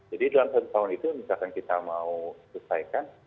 jadi dalam satu tahun itu misalkan kita mau selesaikan